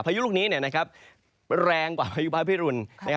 ยุลูกนี้แรงกว่าพายุพระพิรุณ